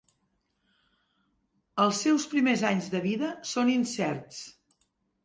Els seus primers anys de vida són incerts.